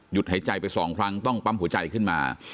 หายใจไปสองครั้งต้องปั๊มหัวใจขึ้นมา